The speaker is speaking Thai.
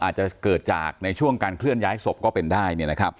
อาจจะเกิดจากในช่วงการเคลื่อนย้ายศพก็เป็นได้